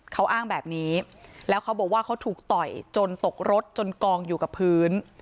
เขาอ้างแบบนี้แล้วเขาบอกว่าเขาถูกต่อยจนตกรถจนกองอยู่กับพื้น